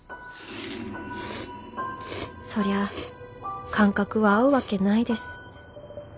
そりゃ感覚は合うわけないです